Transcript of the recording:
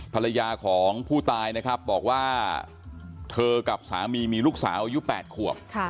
ภรรยาของผู้ตายนะครับบอกว่าเธอกับสามีมีลูกสาวอายุ๘ขวบ